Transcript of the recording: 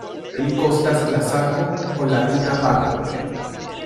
Pli kostas la sako, ol la tuta pako.